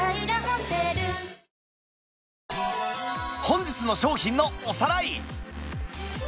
本日の商品のおさらい